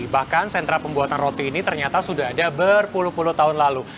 bahkan sentra pembuatan roti ini ternyata sudah ada berpuluh puluh tahun lalu